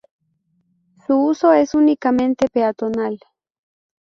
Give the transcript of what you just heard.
Su uso es únicamente peatonal.